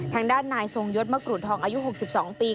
ทางด้านนายทรงยศมะกรูดทองอายุ๖๒ปี